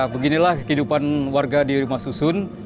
beginilah kehidupan warga di rumah susun